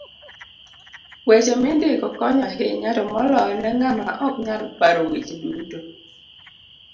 Weche mindiko konyo ahinya to moloyo ne ng'ama oknyal paro weche duto.